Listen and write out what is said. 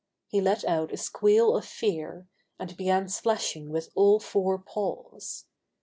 He let out a squeal of fear, and began splashing with all four paws.